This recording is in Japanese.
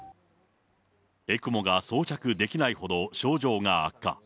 ＥＣＭＯが装着できないほど症状が悪化。